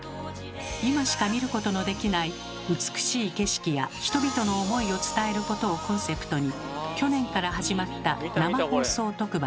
今しか見ることのできない美しい景色や人々の思いを伝えることをコンセプトに去年から始まった生放送特番。